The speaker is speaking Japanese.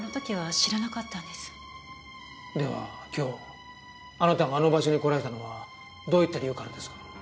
では今日あなたがあの場所に来られたのはどういった理由からですか？